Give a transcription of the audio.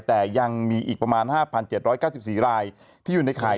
แต่ยังมีอีกประมาณ๕๗๙๔รายที่อยู่ในข่าย